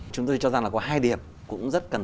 chúng tôi cho rằng là có hai điểm cũng rất cần